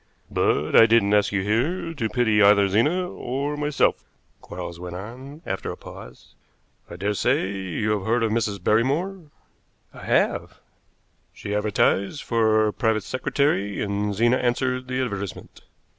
"But I didn't ask you here to pity either Zena or myself," Quarles went on, after a pause. "I daresay you have heard of Mrs. Barrymore?" "I have." "She advertised for a private secretary, and Zena answered the advertisement.